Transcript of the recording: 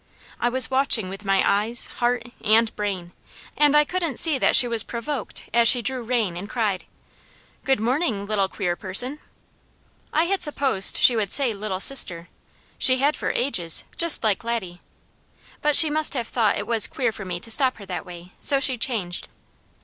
I was watching with my eyes, heart, and brain, and I couldn't see that she was provoked, as she drew rein and cried: "Good morning, Little Queer Person!" I had supposed she would say Little Sister, she had for ages, just like Laddie, but she must have thought it was queer for me to stop her that way, so she changed.